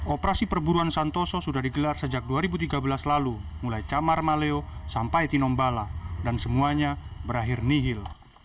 operasi perburuan santoso sudah digelar sejak dua ribu tiga belas lalu mulai camar maleo sampai tinombala dan semuanya berakhir nihil